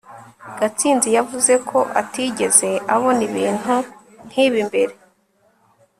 gatsinzi yavuze ko atigeze abona ibintu nk'ibi mbere